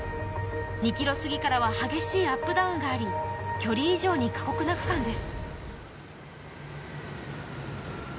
２ｋｍ過ぎから激しいアップダウンがあり、距離以上に過酷な区間です。